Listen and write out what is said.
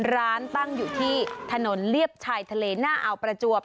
ร้านตั้งอยู่ที่ถนนเลียบชายทะเลหน้าอาวประจวบ